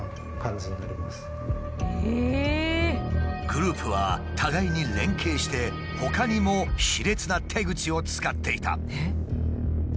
グループは互いに連携してほかにも卑劣な手口を使っていた。